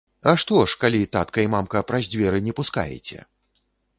А што ж, калі татка і мамка праз дзверы не пускаеце.